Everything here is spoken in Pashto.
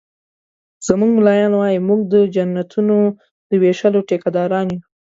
زموږ ملایان وایي مونږ د جنتونو د ویشلو ټيکه داران یو